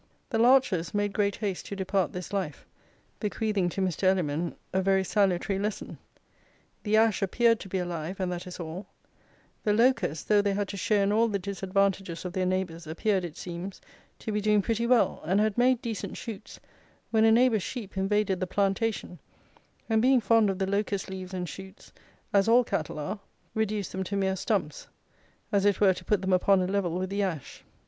The larches made great haste to depart this life, bequeathing to Mr. Elliman a very salutary lesson. The ash appeared to be alive, and that is all: the locusts, though they had to share in all the disadvantages of their neighbours, appeared, it seems, to be doing pretty well, and had made decent shoots, when a neighbour's sheep invaded the plantation, and, being fond of the locust leaves and shoots, as all cattle are, reduced them to mere stumps, as it were to put them upon a level with the ash.